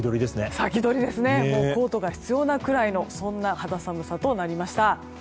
コートが必要なぐらいのそんな肌寒さとなりました。